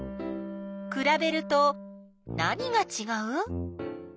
くらべると何がちがう？